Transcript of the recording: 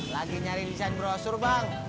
lagi nyari desain brosur bang